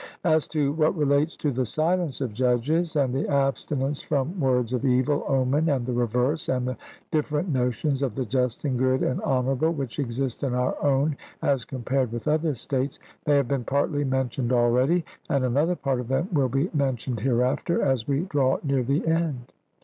As to what relates to the silence of judges and the abstinence from words of evil omen and the reverse, and the different notions of the just and good and honourable which exist in our own as compared with other states, they have been partly mentioned already, and another part of them will be mentioned hereafter as we draw near the end.